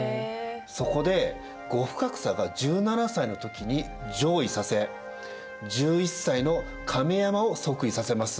そこで後深草が１７歳の時に譲位させ１１歳の亀山を即位させます。